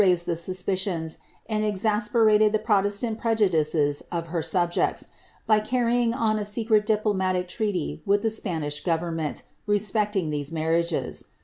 She had greatly raised the suspicions, and exasperated the protestant prejudices of her subjects, by carrying on a secret diplomatic treaty with the Spanish government respecting these marriages.